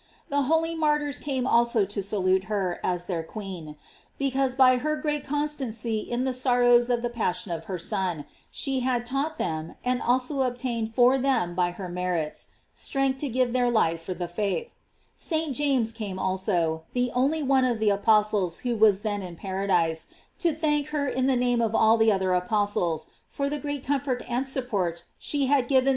The holy martyrs came also to salute her as their queen, because by her great constancy in the sorrows of the passion of her Son, she had taught them, and also obtained for them by her merits, strength to give their life for the faith. St. James came also, the only one of the apostles who was then in paradise, to thank her in the name of all the other apostles, for the great comfort and support she had given them * Tu gloria Jerusalem, tn Isetitia Israel, tu honorificentia populi Hostri.